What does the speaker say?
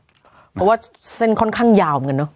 เพราะว่าเส้นค่อนข้างยาวเหมือนกันเนอะ